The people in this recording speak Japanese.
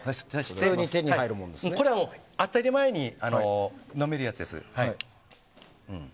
これは当たり前に飲めるやつです。